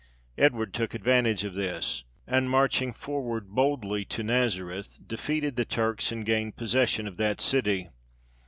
Edward took advantage of this, and marching boldly forward to Nazareth, defeated the Turks and gained possession of that city.